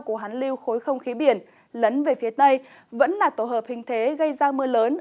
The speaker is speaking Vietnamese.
của hắn lưu khối không khí biển lấn về phía tây vẫn là tổ hợp hình thế gây ra mưa lớn